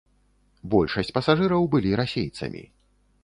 Большасць пасажыраў былі расейцамі.